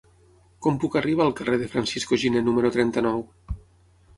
Com puc arribar al carrer de Francisco Giner número trenta-nou?